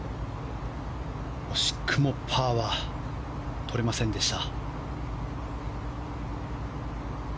惜しくもパーはとれませんでした。